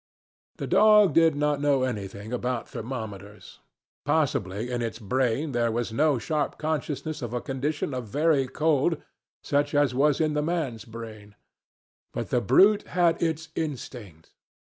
The dog did not know anything about thermometers. Possibly in its brain there was no sharp consciousness of a condition of very cold such as was in the man's brain. But the brute had its instinct.